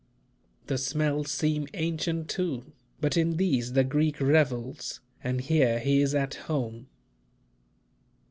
The smells seem ancient, too; but in these the Greek revels, and here he is at home.